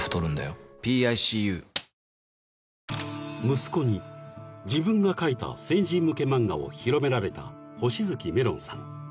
［息子に自分が描いた成人向け漫画を広められた星月めろんさん。